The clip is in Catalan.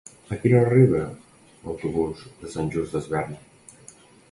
A quina hora arriba l'autobús de Sant Just Desvern?